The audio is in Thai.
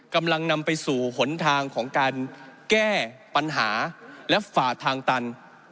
กำลังนำไปสู่หนทางของการแก้ปัญหาและฝ่าทางตัน